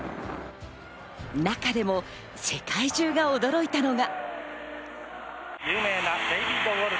中でも世界中が驚いたのが。